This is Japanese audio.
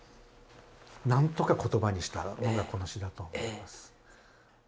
何とか言葉にしたのがこの詩だと思います。